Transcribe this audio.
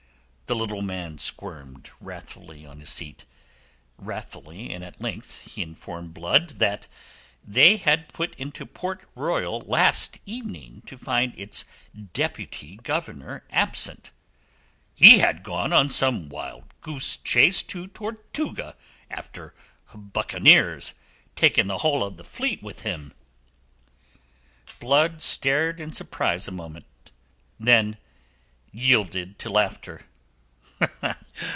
The little man squirmed wrathfully on his seat. Wrathfully and at length he informed Blood that they had put into Port Royal last evening to find its Deputy Governor absent. "He had gone on some wild goose chase to Tortuga after buccaneers, taking the whole of the fleet with him." Blood stared in surprise a moment; then yielded to laughter.